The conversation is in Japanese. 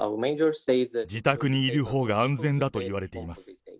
自宅にいるほうが安全だといわれています。